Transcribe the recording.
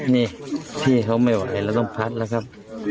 นี่พี่เขาไม่ไหวเราต้องพัดแล้วครับ